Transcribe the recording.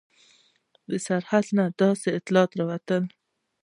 د سرحده داسې اطلاعات راتلل.